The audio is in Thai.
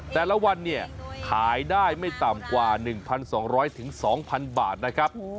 แต่ละวันเนี่ยขายได้ไม่ต่ำกว่า๑๒๐๐๒๐๐บาทนะครับ